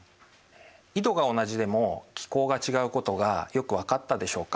緯度が同じでも気候が違うことがよく分かったでしょうか？